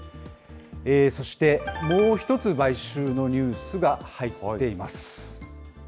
そしてもう１つ買収のニュースが入っています。